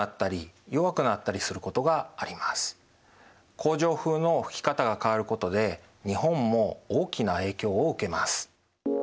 恒常風の吹き方が変わることで日本も大きな影響を受けます。